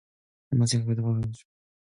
암만 생각해 보아도 갈 곳이 없다.